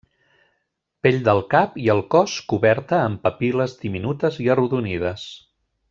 Pell del cap i el cos coberta amb papil·les diminutes i arrodonides.